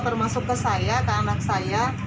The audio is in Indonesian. termasuk ke saya ke anak saya